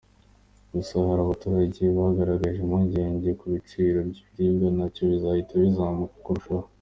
Gusa hari abaturage bagaragaje impungenge ko ibiciro by’ibiribwa nabyo bizahita bizamuka kurushaho.